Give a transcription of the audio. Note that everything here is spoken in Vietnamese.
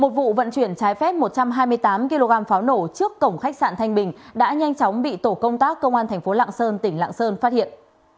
một vụ vận chuyển trái phép một trăm hai mươi tám kg pháo nổ trước cổng khách sạn thanh bình đã nhanh chóng bị tổ công tác công an thành phố lạng sơn tỉnh lạng sơn phát hiện